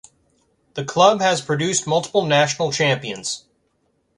The club has produced multiple national champions.